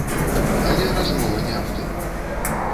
Але размова не аб тым.